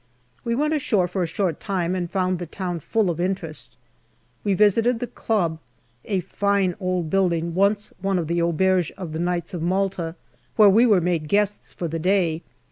We went ashore for a short time and found the town full of interest. We visited the Club, a fine old building, once one of the auberges of the Knights of Malta, where we were made guests for the day.